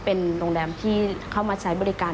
เป็นโรงแรมที่เข้ามาใช้บริการ